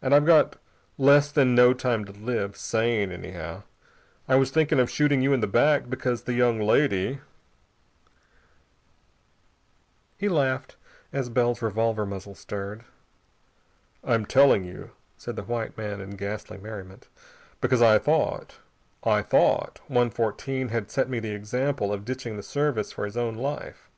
And I've got less than no time to live sane, anyhow. I was thinking of shooting you in the back, because the young lady " He laughed as Bell's revolver muzzle stirred. "I'm telling you," said the white man in ghastly merriment, "because I thought I thought One Fourteen had set me the example of ditching the Service for his own life.